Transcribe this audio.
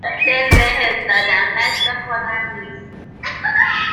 دل بهت دادم دست خودم نیست